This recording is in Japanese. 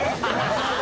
ハハハ